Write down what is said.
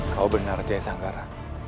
kau benar jaya sanggara